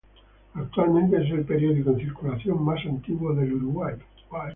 Actualmente es el periódico en circulación más antiguo del Uruguay.